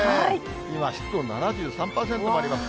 今、湿度７３％もあります。